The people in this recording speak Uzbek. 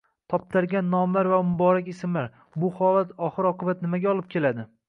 Toptalgan nomlar va muborak ismlar: bu holat oxir-oqibat nimaga olib keladi?